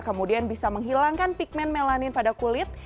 kemudian bisa menghilangkan pigment melanin pada kulit